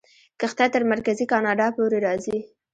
کښتۍ تر مرکزي کاناډا پورې راځي.